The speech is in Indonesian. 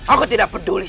aku tidak peduli